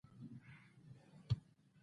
ما دې د ایران سفارت ته وسپاري.